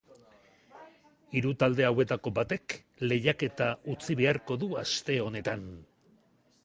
Hiru talde hauetako batek lehiaketa utzi beharko du aste honetan.